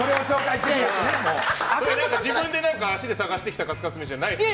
自分の足で探してきたカツカツ飯じゃないでしょ。